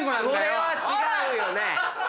⁉それは違うよね。